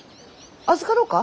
預かろうか？